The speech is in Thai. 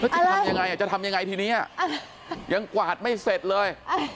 จะทำยังไงจะทำยังไงทีนี้ยังกวาดไม่เสร็จเลย